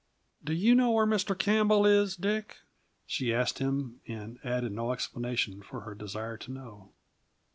"Do you know where Mr. Campbell is, Dick?" she asked him, and added no explanation of her desire to know.